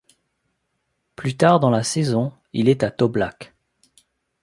Plus tard dans la saison, il est à Toblach.